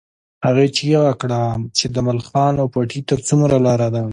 هغې چیغه کړه چې د ملخانو پټي ته څومره لار ده